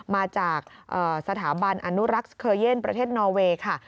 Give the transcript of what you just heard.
มาจากสถาบันอนุรักษ์เคอร์เย่นประเทศนอเวย์ค่ะ